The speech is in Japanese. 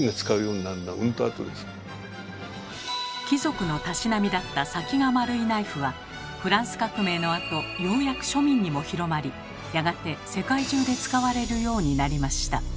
貴族のたしなみだった「先が丸いナイフ」はフランス革命のあとようやく庶民にも広まりやがて世界中で使われるようになりました。